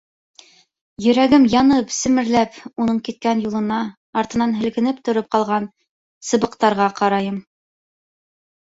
Йөрәгем янып-семерләп, уның киткән юлына, артынан һелкенеп тороп ҡалған сыбыҡтарға ҡарайым.